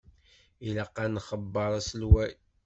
Ilaq ad nxebber aselway.